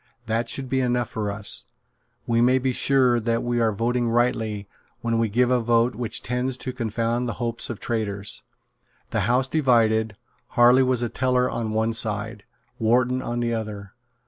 That should be enough for us. We may be sure that we are voting rightly when we give a vote which tends to confound the hopes of traitors." The House divided. Harley was a teller on one side, Wharton on the other.